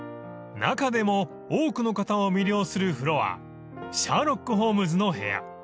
［中でも多くの方を魅了するフロアシャーロック・ホームズの部屋］